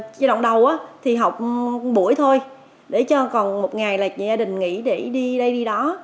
chỉ động đầu thì học một buổi thôi để cho còn một ngày là gia đình nghỉ để đi đây đi đó